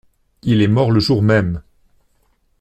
Il est mort le jour même.